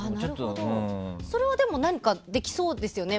それはでもできそうですよね。